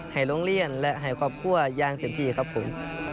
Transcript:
ให้โรงเรียนและให้ครอบครัวอย่างเต็มที่ครับผม